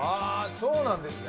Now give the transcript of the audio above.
そうなんですね。